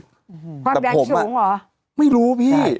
ความดันสูงเหรอใช่ความดันไม่รู้พี่